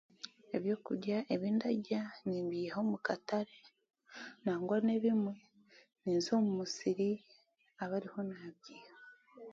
Eby'okurya ebi ndarya nimbiha omu katare nangwa n'ebimwe ninza omu musiri abariho n'abyiha.